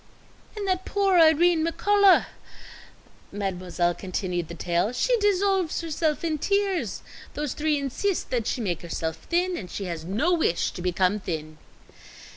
"And that poor Irene McCullough," Mademoiselle continued the tale, "she dissolves herself in tears. Those three insist that she make herself thin, and she has no wish to become thin."